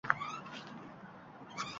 Odamlar juda hudbin